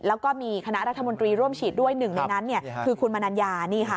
แล้วก็มีคณะรัฐมนตรีร่วมฉีดด้วยหนึ่งในนั้นคือคุณมนัญญา